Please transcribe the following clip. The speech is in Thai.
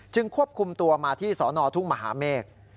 ควบคุมตัวมาที่สนทุ่งมหาเมฆ